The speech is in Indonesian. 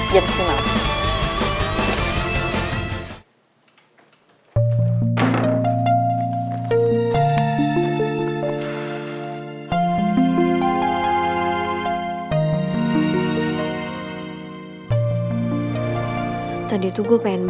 jangan berhenti malem